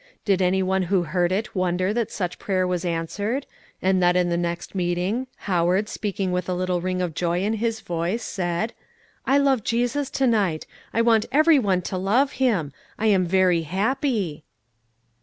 Did any one who heard it wonder that such prayer was answered, and that in the next meeting, Howard, speaking with a little ring of joy in his voice, said, "I love Jesus to night. I want every one to love Him. I am very happy"?